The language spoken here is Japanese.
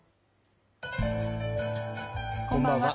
こんばんは。